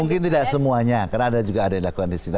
mungkin tidak semuanya karena ada juga ada yang dilakukan di situ